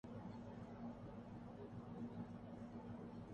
دھیان اس بات پہ ہو گا یا ہونا چاہیے کہ جتنا وقت ملا ہے۔